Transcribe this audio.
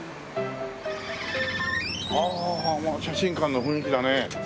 ああ写真館の雰囲気だね。